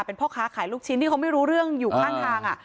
เป็นพ่อค้าขายลูกชิ้นที่เขาไม่รู้เรื่องอยู่ข้างทาง